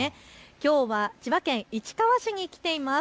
きょうは千葉県市川市に来ています。